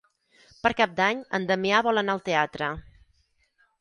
Per Cap d'Any en Damià vol anar al teatre.